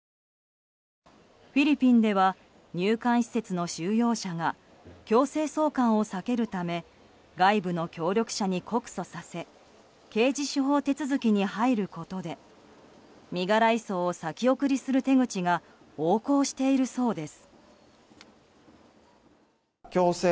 フィリピンでは入管施設の収容者が強制送還を避けるため外部の協力者に告訴させ刑事司法手続きに入ることで身柄移送を先送りにする手口が横行しているそうです。